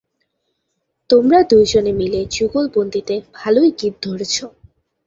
তোমরা দুইজনে মিলে যুগলবন্দীতে ভালোই গীত ধরেছ।